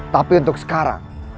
tapi untuk sekarang